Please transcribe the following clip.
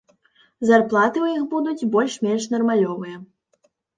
Зарплаты ў іх будуць больш-менш нармалёвыя.